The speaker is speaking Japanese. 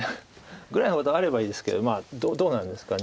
ぐらいのことがあればいいですけどどうなんですか。